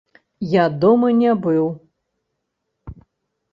Я дома не быў.